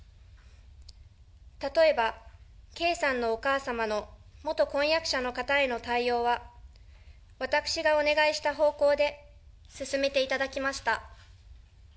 例えば、圭さんのお母様の元婚約者の方への対応は、私がお願いした方向で進めていただきました。